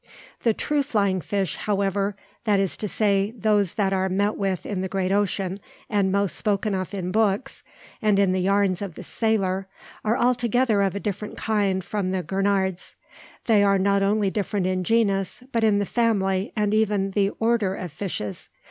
The true flying fish, however, that is to say, those that are met with in the great ocean, and most spoken of in books, and in the "yarns" of the sailor, are altogether of a different kind from the gurnards. They are not only different in genus, but in the family and even the order of fishes.